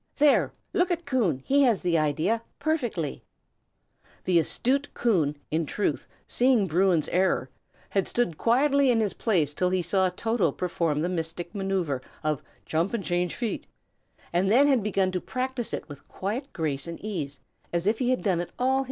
There, look at Coon; he has the idea, perfectly!" The astute Coon, in truth, seeing Bruin's error, had stood quietly in his place till he saw Toto perform the mystic manoeuvre of "jump and change feet," and had then begun to practise it with a quiet grace and ease, as if he had done it all his life.